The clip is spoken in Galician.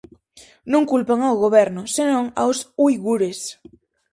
Non culpan ao goberno, senón aos uigures.